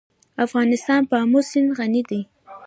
افغانستان په آمو سیند غني دی.